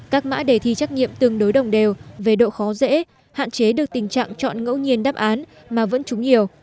các mã đề thi trắc nghiệm tương đối đồng đều về độ khó dễ hạn chế được tình trạng chọn ngẫu nhiên đáp án mà vẫn trúng nhiều